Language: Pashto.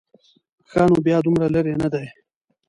ښه نو بیا دومره لرې نه دی.